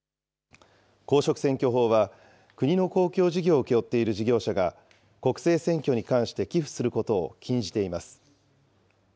公職選挙法は国の公共事業を請け負っている事業者が国政選挙に関して寄付することを禁じています。